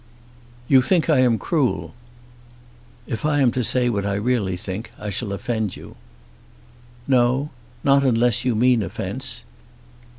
"You think I am cruel." "If I am to say what I really think I shall offend you." "No; not unless you mean offence."